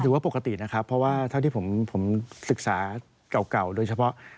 ว่าปกตินะครับเพราะว่าเท่าที่ผมศึกษาเก่าโดยเฉพาะ